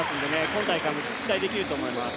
今大会も期待できると思います。